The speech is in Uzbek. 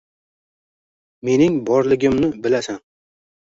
Mening borligimni bilasan…